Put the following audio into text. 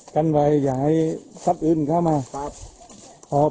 กันไว้อย่างไงซับอื่นเข้ามาครับ